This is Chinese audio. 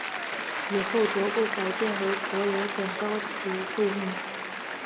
以后逐步改建为柏油等高级路面。